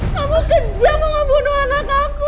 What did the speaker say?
kamu kejam mau ngebunuh anak aku